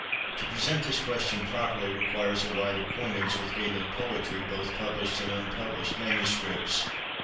To present this question properly requires a wide acquaintance with Gaelic poetry, both published and unpublished manuscripts.